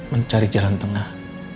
mencari jalan tengah